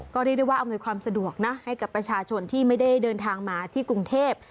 ก็เรียกได้ว่าอำนวยความสะดวกนะให้กับประชาชนที่ไม่ได้เดินทางมาที่กรุงเทพ